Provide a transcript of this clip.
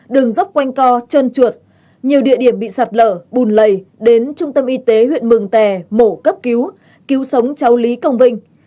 đường dốc quanh co trơn trượt nhiều địa điểm bị sạt lở bùn lầy đến trung tâm y tế huyện mường tè mổ cấp cứu cứu sống cháu lý công vinh